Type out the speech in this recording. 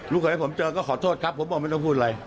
เคยให้ผมเจอก็ขอโทษครับผมบอกไม่ต้องพูดอะไร